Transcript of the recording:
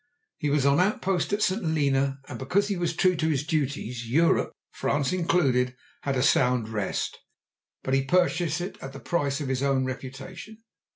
He was on outpost at St. Helena, and because he was true to his duties Europe (France included) had a sound rest. But he purchased it at the price of his own reputation.